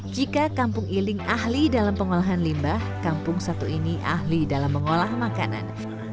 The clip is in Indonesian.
jika kampung i ling ahli dalam pengelolaan limbah kampung satu ini ahli dalam mengelola makanan